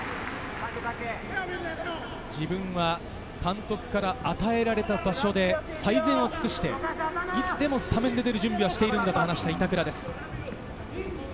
自分は監督から与えられた場所で、最善を尽くして、いつでもスタメンで出る準備ができていると話した板倉です。